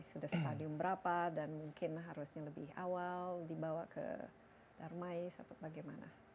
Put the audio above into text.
sudah stadium berapa dan mungkin harusnya lebih awal dibawa ke darmais atau bagaimana